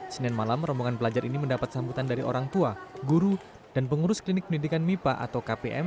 senin malam rombongan pelajar ini mendapat sambutan dari orang tua guru dan pengurus klinik pendidikan mipa atau kpm